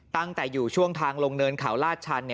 ตั้งแต่อยู่ช่วงทางลงเนินเขาลาดชัน